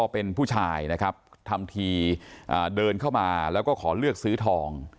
เป็นผู้ชายนะครับทำทีเดินเข้ามาแล้วก็ขอเลือกซื้อทอง